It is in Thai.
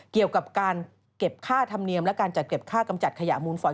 เกี่ยวกับการเก็บค่าธรรมเนียมและการจัดเก็บค่ากำจัดขยะมูลฝอย